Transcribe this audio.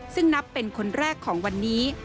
ซึ่งนับเป็นคนแรกของวันนี้